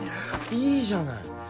いいじゃない！